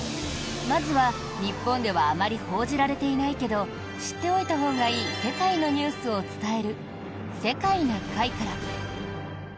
まずは、日本ではあまり報じられていないけど知っておいたほうがいい世界のニュースを伝える「世界な会」から。